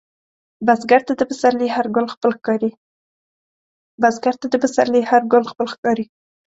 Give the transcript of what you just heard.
بزګر ته د پسرلي هر ګل خپل ښکاري